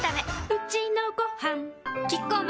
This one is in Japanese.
うちのごはんキッコーマン